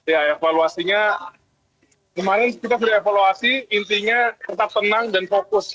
ya evaluasinya kemarin kita sudah evaluasi intinya tetap tenang dan fokus